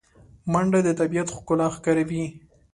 منډه د طبیعت ښکلا ښکاروي